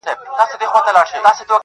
د گناهونو شاهدي به یې ویښتان ورکوي.